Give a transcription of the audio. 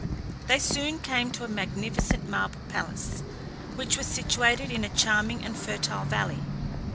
They soon came to a magnificent marble palace, which was situated in a charming and fertile valley.